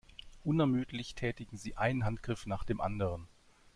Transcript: Unermüdlich tätigen sie einen Handgriff nach dem anderen.